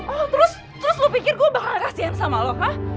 oh terus terus lu pikir gue bakal kasihan sama lo kak